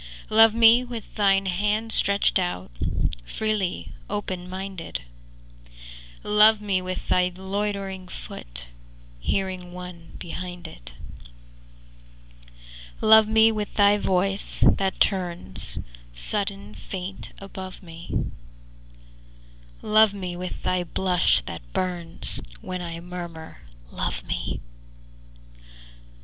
V Love me with thine hand stretched out Freely open minded: Love me with thy loitering foot, Hearing one behind it. VI Love me with thy voice, that turns Sudden faint above me; Love me with thy blush that burns When I murmur 'Love me!'